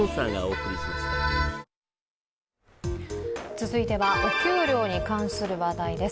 続いてはお給料に関する話題です。